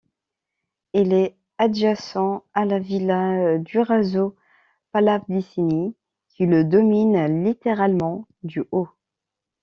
Il est adjacent à la villa Durazzo-Pallavicini, qui le domine littéralement du haut.